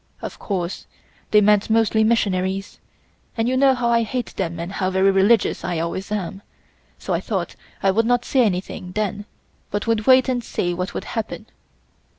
Of course they meant mostly missionaries, and you know how I hate them and how very religious I always am, so I thought I would not say anything then but would wait and see what would happen.